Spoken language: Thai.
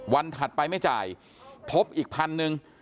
ถัดไปไม่จ่ายพบอีกพันหนึ่ง